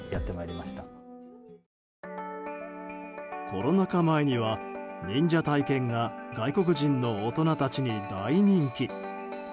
コロナ禍前には忍者体験が外国人の大人たちに大人気。